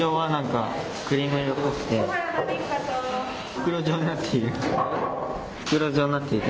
袋状になっていて。